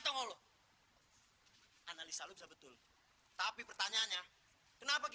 nggak lu liat tando gak